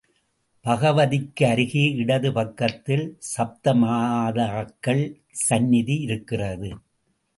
பகவதிக்கு அருகே இடது பக்கத்தில் சப்தமாதாக்கள் சந்நிதி இருக்கிறது.